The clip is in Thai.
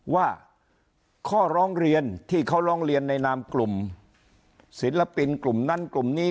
ว่าข้อร้องเรียนที่เขาร้องเรียนในนามกลุ่มศิลปินกลุ่มนั้นกลุ่มนี้